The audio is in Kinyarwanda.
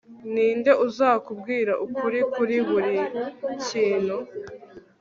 ninde uzakubwira ukuri kuri buri kintu